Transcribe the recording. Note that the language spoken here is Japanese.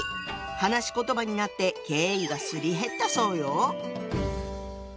話し言葉になって敬意がすり減ったそうよ。